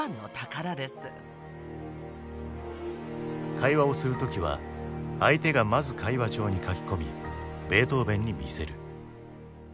会話をする時は相手がまず会話帳に書き込みベートーヴェンに見せる。